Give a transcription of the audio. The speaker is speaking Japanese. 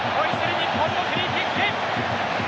日本のフリーキック。